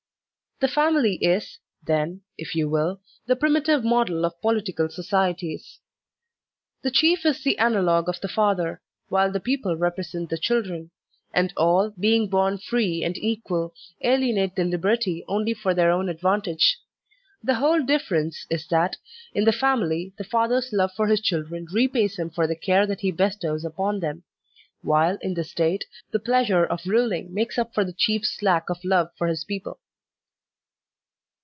The family is, then, if you will, the primitive model of political societies ; the chief is the analogue of the father, while the people represent the children; and all, being bom free and equal, alienate their liberty only for their own advantage. The whole diflEerence is that, in the family, the father's love for his children repays him for the care that he bestows upon them ; while, in the State, the pleasure of ruling makes up for the chief's lack of love for his people.